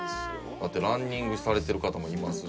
「だってランニングされてる方もいますし」